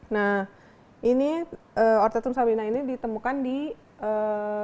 nah ini ortetum sabina ini ditemukan di semua